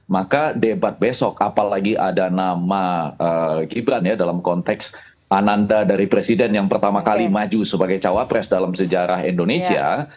maka debat besok apalagi ada nama gibran ya dalam konteks ananda dari presiden yang pertama kali maju sebagai cawapres dalam sejarah indonesia